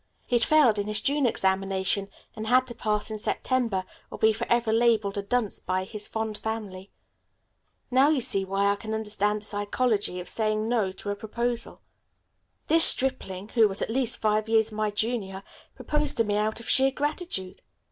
He had failed in his June examination and had to pass in September or be forever labeled a dunce by his fond family. Now you see why I can understand the psychology of saying 'no' to a proposal. This stripling, who was at least five years my junior, proposed to me out of sheer gratitude.